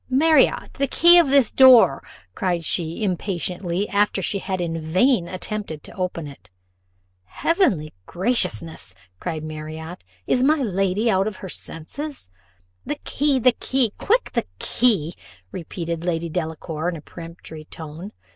"Marriott, the key of this door," cried she impatiently, after she had in vain attempted to open it. "Heavenly graciousness!" cried Marriott; "is my lady out of her senses?" "The key the key quick, the key," repeated Lady Delacour, in a peremptory tone.